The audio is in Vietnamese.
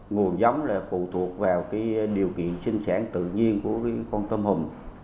nguồn giống là phụ thuộc vào điều kiện sinh sản tự nhiên của con tôm hùm